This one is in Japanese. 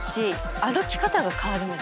歩き方が変わるんです。